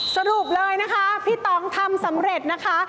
สรุปเลยนะคะพี่ตองทำสำเร็จนะคะ